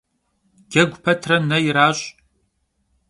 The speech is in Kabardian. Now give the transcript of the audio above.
Cegu petre ne yiraş'.